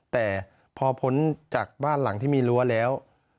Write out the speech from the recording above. แต่พอพ้นจากบ้านหลังที่มีรั้วแล้ว